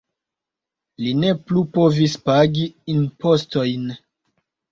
Li ne plu povis pagi la impostojn.